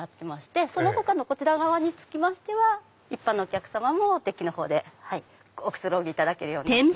その他のこちら側につきましては一般のお客様もデッキのほうでおくつろぎいただける。